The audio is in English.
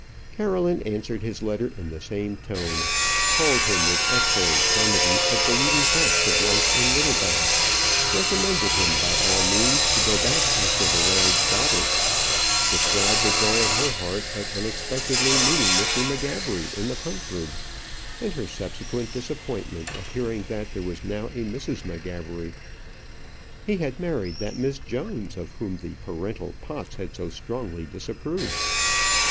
Caroline answered his letter in the same tone; told him, with excellent comedy, of the leading facts of life in Littlebath; recommended him by all means to go back after the laird's daughter; described the joy of her heart at unexpectedly meeting Mr. M'Gabbery in the pump room, and her subsequent disappointment at hearing that there was now a Mrs. M'Gabbery. He had married that Miss Jones, of whom the parental Potts had so strongly disapproved.